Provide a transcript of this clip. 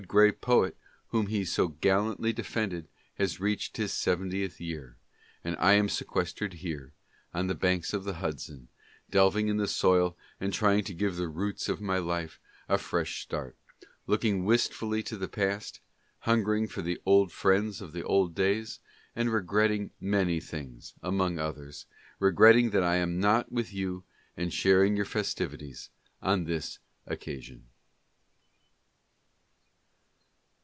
Gray Poet, whom he so gallantly defended, has reached his seventieth year, and I am sequestered here, on the banks of the Hudson, delving in the soil and trying to give the roots of my life a fresh start, looking wistfully to the past, hungering for the old friends of the old days, and regretting many things, among others, re gretting that I am not with you and sharing your festivities on this occasion.